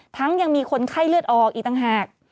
ยังมีคนไข้เลือดออกอีกต่างหาก